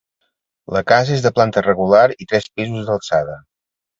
La casa és de planta rectangular i tres pisos d'alçada.